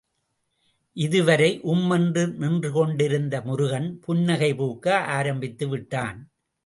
இதுவரை உம் என்று நின்றுகொண்டிருந்த முருகன் புன்னகை பூக்க ஆரம்பித்துவிட்டான்.